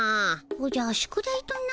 おじゃ宿題とな。